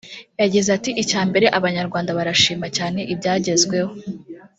Agize ati “ Icya mbere Abanyarwanda barashima cyane ibyagezweho